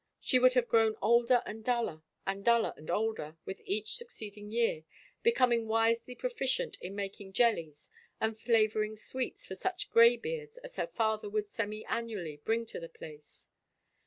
She would have grown older and duller and duller and older with each succeeding year, becoming wisely proficient in making jellies and flavoring sweets for such gray beards as her father would semi annually bring to the place.